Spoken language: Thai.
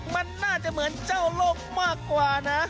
มันน่าจะเหมือนเจ้าโลกมากกว่านะ